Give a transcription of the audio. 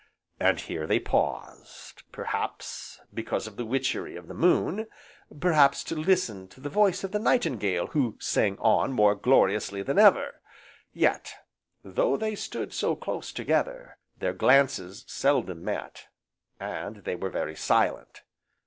And here they paused, perhaps because of the witchery of the moon, perhaps to listen to the voice of the nightingale who sang on more gloriously than ever. Yet, though they stood so close together, their glances seldom met, and they were very silent.